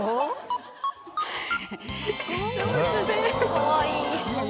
かわいい。